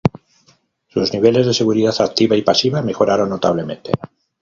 Sus niveles de seguridad activa y pasiva mejoraron notablemente.